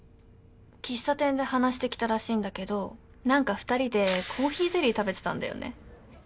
喫茶店で話してきたらしいんだけど何か２人でコーヒーゼリー食べてたんだよね。